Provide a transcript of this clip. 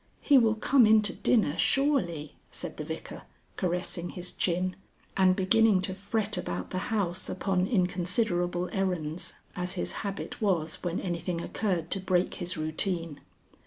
"He will come in to dinner, surely," said the Vicar, caressing his chin, and beginning to fret about the house upon inconsiderable errands, as his habit was when anything occurred to break his routine.